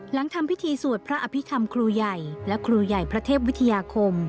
หลังทำพิธีสวดพระอภิษฐรรมครูใหญ่และครูใหญ่พระเทพวิทยาคม